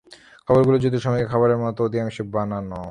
খবরগুলো যুদ্ধের সময়কার খবরের মতো, অধিকাংশই বানানো।